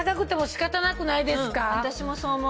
うん私もそう思う。